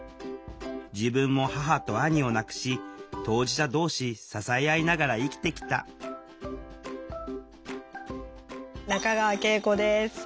自分も母と兄を亡くし当事者同士支え合いながら生きてきた中川圭永子です。